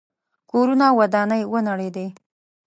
کورونه او ودانۍ ونړېدې.